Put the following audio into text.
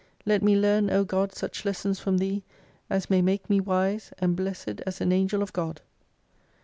Let me learn, O God, such lessons from Thee, as may make me wise, and blessed as an Angel of GOD